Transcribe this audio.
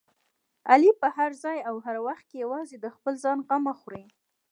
علي په هر ځای او هر وخت کې یوازې د خپل ځان غمه خوري.